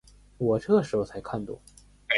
我这时候才看懂